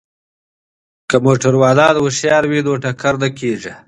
که موټروان هوښیار وي نو ټکر نه کیږي.